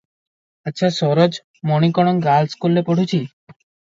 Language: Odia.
ଆଚ୍ଛା ସରୋଜ, ମଣି କଣ ଗାର୍ଲସ୍କୁଲରେ ପଢ଼ୁଛି?"